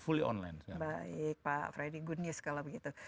baik pak freddy good news kalau begitu